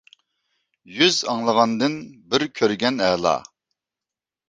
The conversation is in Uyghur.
يۈز ئاڭلىغاندىن بىر كۆرگەن ئەلا.